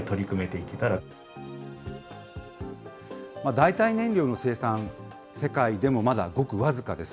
代替燃料の生産、世界でもまだごく僅かです。